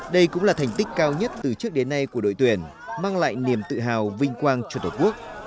đây cũng là thành tích cao nhất từ trước đến nay của đội tuyển mang lại niềm tự hào vinh quang cho tổ quốc